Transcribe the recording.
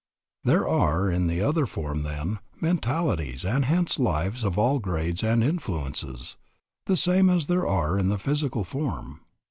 There are in the other form, then, mentalities and hence lives of all grades and influences, the same as there are in the physical form.